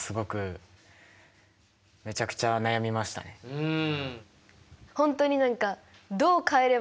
うん。